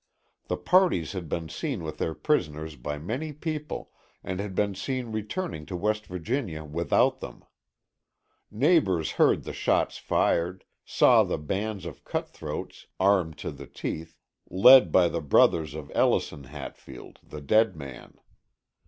The parties had been seen with their prisoners by many people and had been seen returning to West Virginia without them. Neighbors heard the shots fired; saw the band of cutthroats, armed to the teeth, led by the brothers of Ellison Hatfield, the dead man.